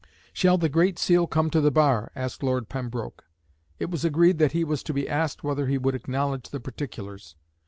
"Shall the Great Seal come to the bar?" asked Lord Pembroke. It was agreed that he was to be asked whether he would acknowledge the particulars.